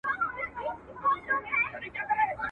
ما په تمه د درملو ورته عُمر دی خوړلی.